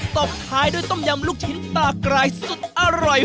ตบท้ายด้วยต้มยำลูกชิ้นตากรายสุดอร่อย